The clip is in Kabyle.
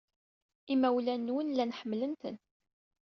Imawlan-nwen llan ḥemmlen-ten.